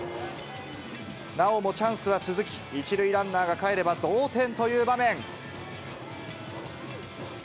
なおもチャンスは続き、１塁ランナーがかえれば同点という場面。